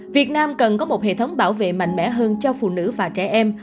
việt nam cần có một hệ thống bảo vệ mạnh mẽ hơn cho phụ nữ và trẻ em